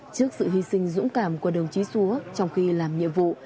trước sự hy sinh dũng cảm của đồng chí xúa trong khi làm nhiệm vụ